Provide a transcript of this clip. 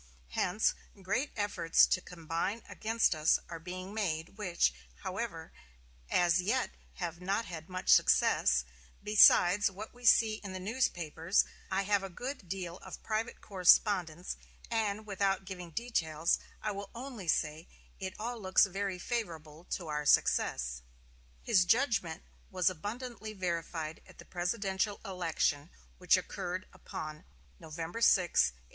Hence, great efforts to combine against us are being made, which, however, as yet have not had much success Besides what we see in the newspapers, I have a good deal of private correspondence; and, without giving details, I will only say it all looks very favorable to our success." His judgment was abundantly verified at the presidential election, which occurred upon November 6, 1860.